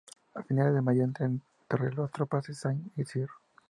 A finales de mayo entran en Torelló las tropas de Saint Cir.